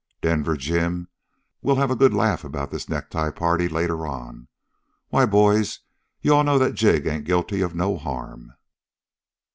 Denver Jim, we'll have a good laugh about this necktie party later on. Why, boys, you all know that Jig ain't guilty of no harm!"